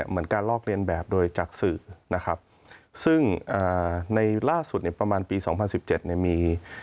เหมือนการลอกเรียนแบบโดยจากสื่อนะครับซึ่งในล่าสุดเนี่ยประมาณปี๒๐๑๗เนี่ยมี